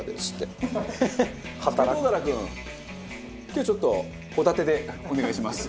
「今日はちょっとホタテでお願いします」。